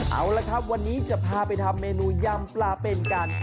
เอาละครับวันนี้จะพาไปทำเมนูยำปลาเป็นกัน